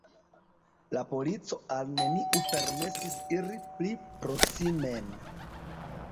La polico al neniu permesis iri pli proksimen.